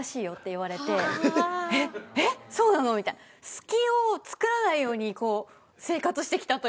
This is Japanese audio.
隙をつくらないように生活してきたというか。